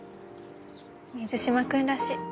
水嶋君らしい。